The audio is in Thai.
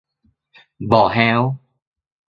บ่อแฮ้ว